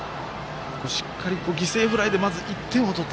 しっかり犠牲フライでまず１点を取った。